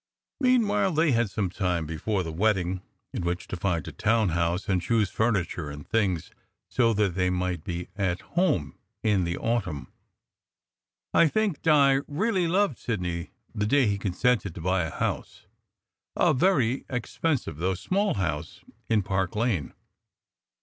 Meanwhile they had some time before the wedding in which to find a town house, and choose furniture and things so that they might be "at home" in the autumn. I think Di really loved Sidney the day he consented to buy a house a very expensive though small house in Park Lane.